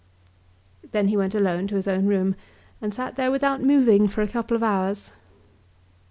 Then he went alone to his own room, and sat there without moving for a couple of hours.